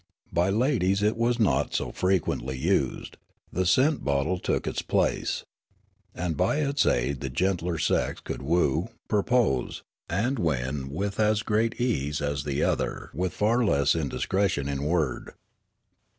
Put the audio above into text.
By ladies it was not so frequently used ; the scent bottle took its place. And by its aid the gentler sex could woo, propose, and win with as great ease as the other and with far less indiscretion in word.